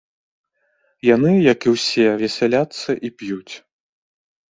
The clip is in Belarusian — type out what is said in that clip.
Яны, як і ўсе, вяселяцца і п'юць.